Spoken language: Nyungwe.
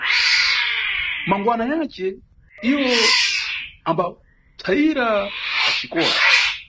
Mangwana yace, iwo ambapsayira paxikola.